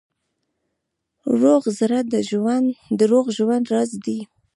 روغ زړه د روغ ژوند راز دی.